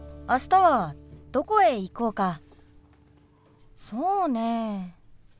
あしたはどこへ行こうか？